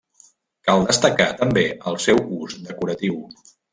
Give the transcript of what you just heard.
Cal destacar, també, el seu ús decoratiu.